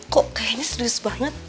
kok kayaknya serius banget